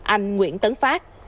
anh nguyễn tấn phát